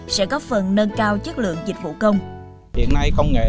sẽ góp phần nâng cao chất lượng dịch vụ công